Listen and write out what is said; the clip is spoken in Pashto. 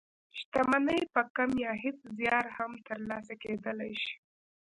شتمني په کم يا هېڅ زيار هم تر لاسه کېدلای شي.